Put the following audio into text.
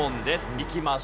いきましょう。